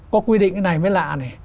có quy định cái này mới lạ này